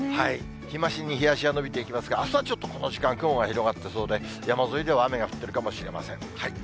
日増しに日ざしが伸びていきますが、あすはちょっとこの時間、雲が広がってそうで、山沿いでは雨が降ってるかもしれません。